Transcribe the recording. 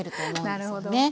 なるほど。